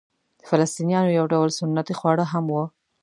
د فلسطنیانو یو ډول سنتي خواړه هم وو.